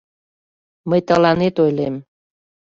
Мый тыланет ойлем...